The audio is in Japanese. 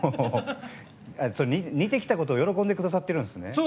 似てきたことを喜んでくださってるんですね。